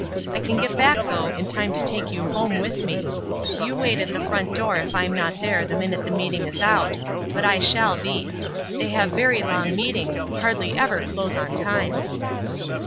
I can get back, though, in time to take you home with me. You wait at the front door if I'm not there the minute the meeting is out ; but I shall be. They have very long meetings— hardly ever close on time."